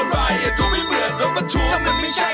สวัสดีครับสวัสดีค่ะ